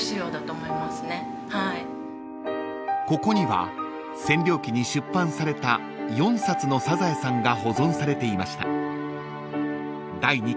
［ここには占領期に出版された４冊の『サザエさん』が保存されていました］